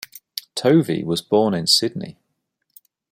Tovey was born in Sydney.